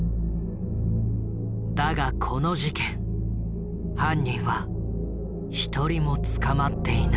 だがこの事件犯人は一人も捕まっていない。